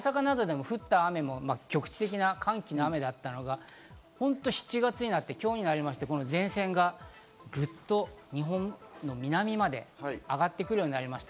まだ梅雨っぽくなくて大阪などでも降った雨、局地的な寒気の雨だったのが、７月、今日になって前線がグッと日本の南まで上がってくるようになりました。